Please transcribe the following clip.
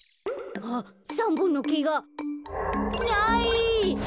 あっ３ぼんのけがない！